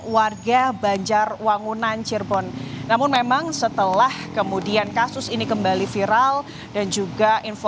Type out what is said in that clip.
saya pernah ketika menangani kasus pembunuhan